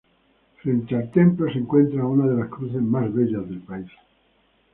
Frente al templo se encuentra una de las cruces más bellas del país.